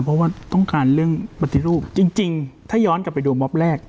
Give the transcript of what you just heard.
เพราะว่าต้องการเรื่องปฏิรูปจริงถ้าย้อนกลับไปดูมอบแรก